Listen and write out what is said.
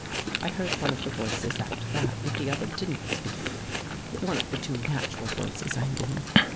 I heard one of the voices after that, but the other didn't speak •— one of the two natural voices, I mean.